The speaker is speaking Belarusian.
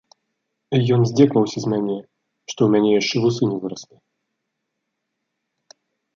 Ён здзекаваўся з мяне, што ў мяне яшчэ вусы не выраслі.